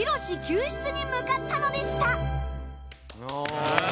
救出に向かったのでした。